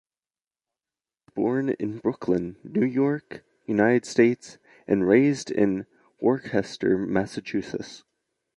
Connor was born in Brooklyn, New York, United States, and raised in Worcester, Massachusetts.